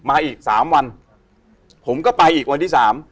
มาอีก๓วันผมก็ไปอีกวันที่๓